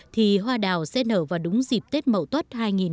thì hoa đào sẽ nở vào đúng dịp tết mậu tuất hai nghìn một mươi tám